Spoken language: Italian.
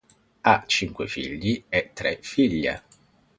Ha cinque figli e tre figlie.